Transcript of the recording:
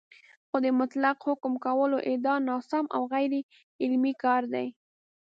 خو د مطلق حکم کولو ادعا ناسم او غیرعلمي کار دی